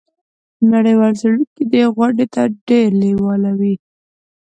نړیوال څیړونکي دې غونډې ته ډیر لیواله وي.